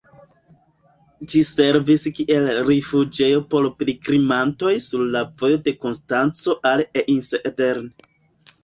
Ĝi servis kiel rifuĝejo por pilgrimantoj sur la vojo de Konstanco al Einsiedeln.